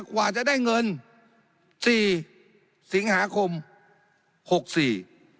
กว่าจะได้เงินสี่สิงหาคมหกสี่